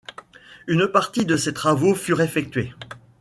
Une partie de ces travaux furent effectués.